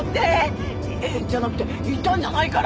えっじゃなくていったんじゃないから。